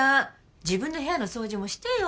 自分の部屋の掃除もしてよ。